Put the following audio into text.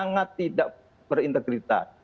sangat tidak berintegritas